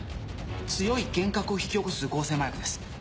強い幻覚を引き起こす合成麻薬です。